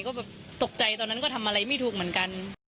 ก็แบบตกใจตอนนั้นก็ทำอะไรไม่ถูกเหมือนกัน